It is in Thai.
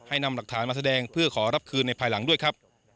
นำหลักฐานมาแสดงเพื่อขอรับคืนในภายหลังด้วยครับ